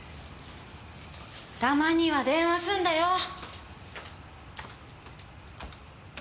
たまには電話すんだよ！